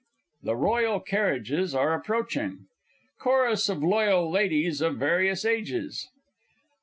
THE ROYAL CARRIAGES ARE APPROACHING. CHORUS OF LOYAL LADIES OF VARIOUS AGES.